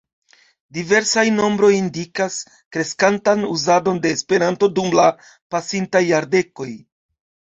Diversaj nombroj indikas kreskantan uzadon de Esperanto dum la pasintaj jardekoj.